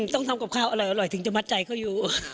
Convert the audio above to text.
ต้องทำกับข้าวอร่อยถึงจะมัดใจเขาอยู่